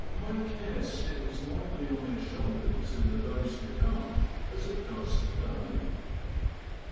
May care sit as lightly on their shoulders in the days to come as it does to day!